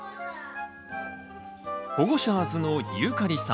ホゴシャーズのユーカリさん。